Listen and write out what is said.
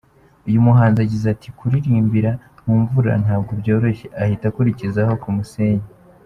Uyu muhanzi agize ati : ’Kuririmbira mu mvura ntabwo byoroshye" ahita akurikizaho ’Ku musenyi".